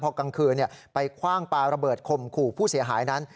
พอกลางคืนไปคว่างปลาระเบิดข่มขู่ผู้เสียหายนั้น